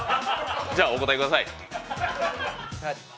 じゃあ、お答えください。